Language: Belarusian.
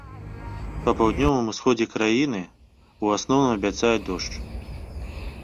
Па паўднёвым усходзе краіны ў асноўным абяцаюць дождж.